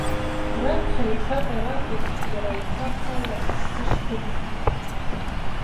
Раԥхьа аиха аҟьара акәым, иара аиха ахала исзышь-ҭымхит.